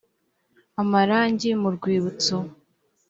amarangi mu rwibutso